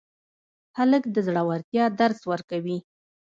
هلک د زړورتیا درس ورکوي.